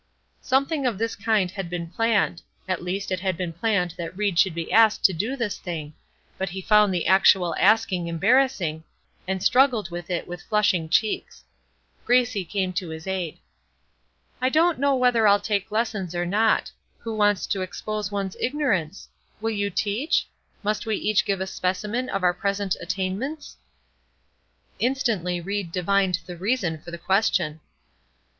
Something of this kind had been planned at least, it had been planned that Ried should be asked to do this thing; but he found the actual asking embarrassing, and struggled with it with flushing cheeks. Gracie came to his aid: "I don't know whether I'll take lessons or not. Who wants to expose one's ignorance? Will you teach? Must we each give a specimen of our present attainments?" Instantly Ried divined the reason for the question.